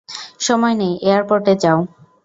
সময় নেই, এয়ারপোর্টে যাও।